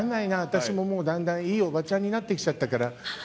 私ももう、だんだんいいおばちゃんになってきちゃったから。